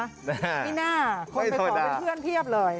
ไม่น่าคนไปขอเป็นเพื่อนเพียบเลย